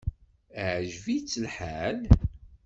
Iεǧeb-itt lḥal?